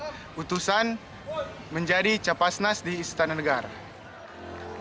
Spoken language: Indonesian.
yang membuat saya berhasil menjadi capasnas di istana negara